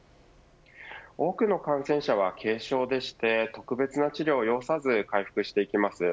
多くの感染者は軽症でして特別な治療を要さず回復していきます。